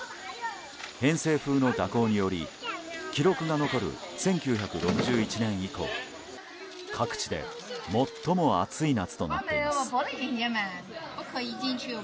偏西風の蛇行により記録が残る１９６１年以降各地で最も暑い夏となっています。